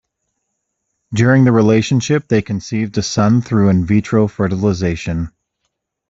During the relationship they conceived a son through in vitro fertilization.